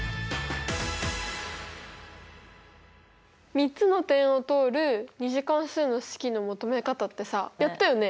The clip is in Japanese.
３つの点を通る２次関数の式の求め方ってさやったよね？